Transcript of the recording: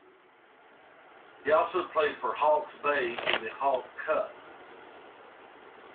He also played for Hawke's Bay in the Hawke Cup.